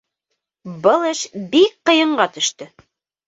Был эш бик ҡыйынға төштө.